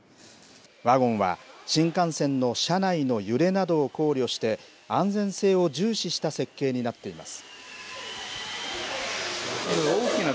ワゴンは、新幹線の車内の揺れなどを考慮して、安全性を重視した設計になっています。